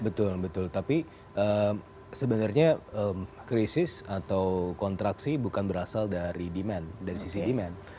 betul betul tapi sebenarnya krisis atau kontraksi bukan berasal dari demand dari sisi demand